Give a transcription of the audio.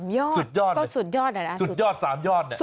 ๓ยอดสุดยอด๓ยอดอยู่ที่ยอดไหม